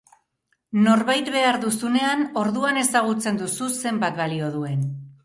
Norbait behar duzunean orduan ezagutzen duzu zenbat balio duen.